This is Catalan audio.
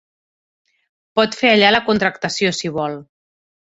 Pot fer allà la contractació si vol.